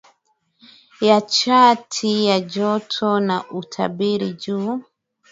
ya chati ya joto na utabiri juu